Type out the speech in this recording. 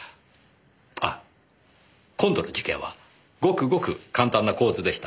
あ今度の事件はごくごく簡単な構図でした。